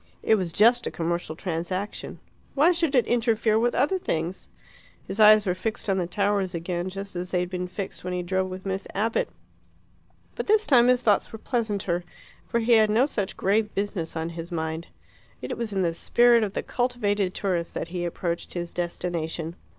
It was just a commercial transaction. Why should it interfere with other things? His eyes were fixed on the towers again, just as they had been fixed when he drove with Miss Abbott. But this time his thoughts were pleasanter, for he had no such grave business on his mind. It was in the spirit of the cultivated tourist that he approached his destination.